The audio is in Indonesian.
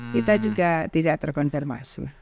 kita juga tidak terkonfirmasi